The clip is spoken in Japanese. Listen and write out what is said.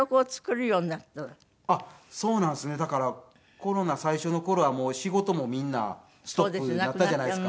だからコロナ最初の頃はもう仕事もみんなストップになったじゃないですか。